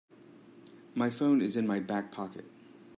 My phone is in my back pocket.